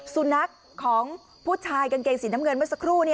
สุนัขของผู้ชายกางเกงสีน้ำเงินเมื่อสักครู่